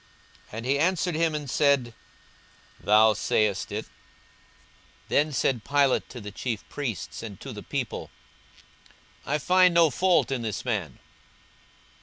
And he answered him and said, Thou sayest it. 42:023:004 Then said Pilate to the chief priests and to the people, I find no fault in this man.